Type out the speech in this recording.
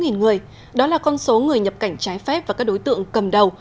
một mươi sáu người đó là con số người nhập cảnh trái phép và các đối tượng cầm đầu